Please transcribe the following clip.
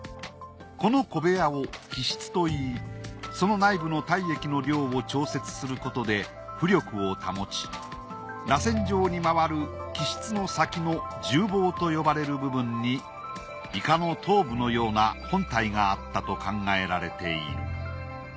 この小部屋を気室といいその内部の体液の量を調節することで浮力を保ちらせん状に回る気室の先の住房と呼ばれる部分にイカの頭部のような本体があったと考えられている。